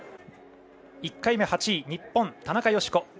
１回目８位の日本、田中佳子。